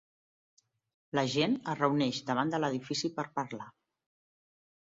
La gent es reuneix davant de l'edifici per parlar